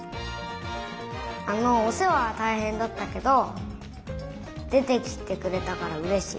あのおせわはたいへんだったけどでてきてくれたからうれしい。